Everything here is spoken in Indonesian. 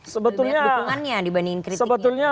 sebetulnya pidato pak s b ini tidak dirancang seperti itu